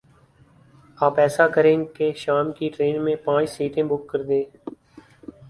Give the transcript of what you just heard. آپ ایسا کریں کے شام کی ٹرین میں پانچھ سیٹیں بک کر دیں۔